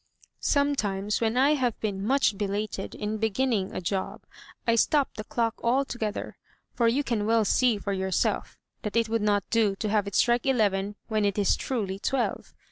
"Sometimes, when I have been much belated in beginning a job, I stop the clock altogether, for you can well see for yourself that it would not do to have it strike eleven when it is truly twelve.